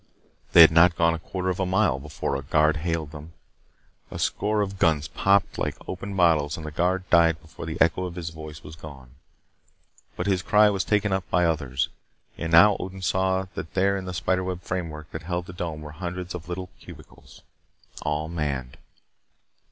They had not gone a quarter of a mile before a guard hailed them. A score of guns popped like opened bottles and the guard died before the echo of his voice was gone. But his cry was taken up by others. And now Odin saw that up there in the spider web framework that held the dome were hundreds of little cubicles all manned.